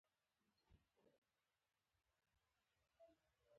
خپل صحافتي مسوولیت ورغوو.